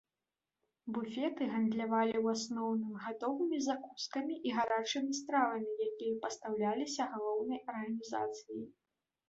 Буфеты гандлявалі ў асноўным гатовымі закускамі і гарачымі стравамі, якія пастаўляліся галаўной арганізацыяй.